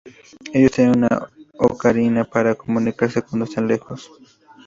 Ellos tienen una ocarina para comunicarse cuando están lejos.